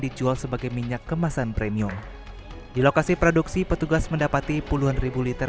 dijual sebagai minyak kemasan premium di lokasi produksi petugas mendapati puluhan ribu liter